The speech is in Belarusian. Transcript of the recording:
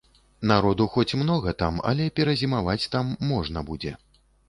Народу хоць многа там, але перазімаваць там можна будзе.